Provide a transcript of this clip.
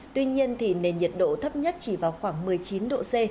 tuy nhiên thì nền nhiệt độ thấp nhất chỉ vào khoảng một mươi chín độ c